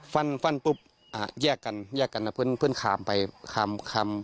ฟันฟันปุ๊บอ่ะแยกกันแยกกันนะเพื่อนคามไปคามคาม